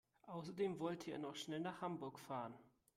Außerdem wollte er noch schnell nach Hamburg fahren